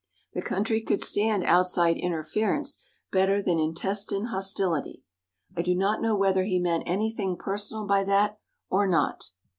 The country could stand outside interference better than intestine hostility. I do not know whether he meant anything personal by that or not.